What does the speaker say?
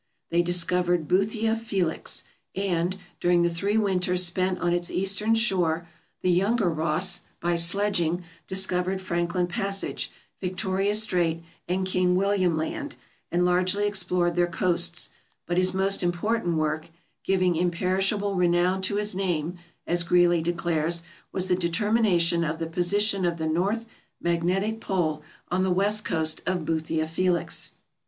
They discovered Boothia Felix; and, during the three winters spent on its eastern shore, the younger Ross, by sledging, discovered Franklin Passage, Victoria Strait, and King William Land, and largely explored their coasts; but his most important work, "giving MISCELLANEOUS 451 imperishable renown to his name," as Greely declares, was the determination of the position of the north magnetic pole on the west coast of Boothia Felix.